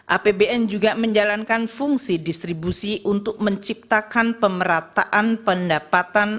apbn juga menjalankan fungsi distribusi untuk menciptakan pemerataan pendapatan